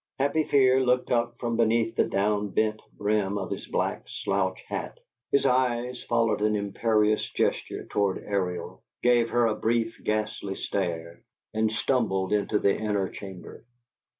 Happy Fear looked up from beneath the down bent brim of his black slouch hat; his eyes followed an imperious gesture toward Ariel, gave her a brief, ghastly stare, and stumbled into the inner chamber.